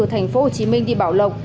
thành phố hồ chí minh đi bảo lộc